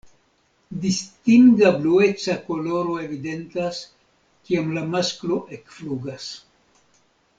Distinga blueca koloro evidentas kiam la masklo ekflugas.